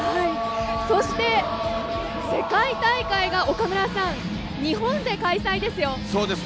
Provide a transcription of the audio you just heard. そして世界大会が岡村さん、日本で開催ですよ。